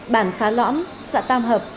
bản phá lõm xã tam hợp